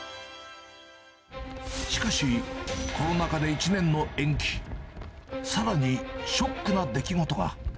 しかし、コロナ禍で１年の延期、さらにショックな出来事が。